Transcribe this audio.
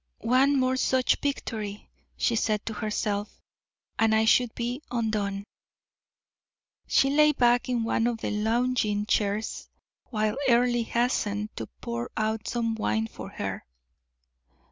"One more such victory," she said to herself, "and I should be undone." She lay back in one of the lounging chairs, while Earle hastened to pour out some wine for her.